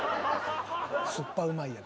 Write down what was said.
「酸っぱうまいやつ」